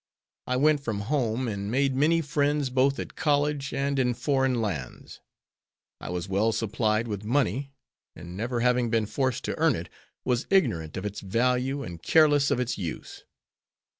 I went from home and made many friends both at college and in foreign lands. I was well supplied with money and, never having been forced to earn it, was ignorant of its value and careless of its use.